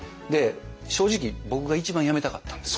正直僕が一番辞めたかったんですよ。